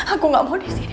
aku gak mau disini